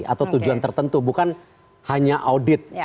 atau tujuan tertentu bukan hanya audit